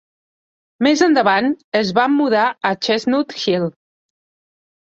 Més endavant, es van mudar a Chestnut Hill.